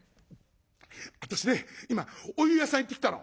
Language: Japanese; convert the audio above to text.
「私ね今お湯屋さん行ってきたの」。